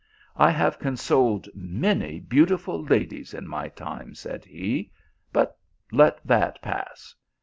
" I have consoled many beautiful ladies in my time," said he ;" but let that pass.